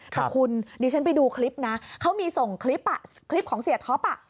แต่คุณดิฉันไปดูคลิปนะเขามีส่งคลิปคลิปของเสียท็อป